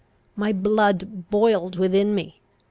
My blood boiled within me.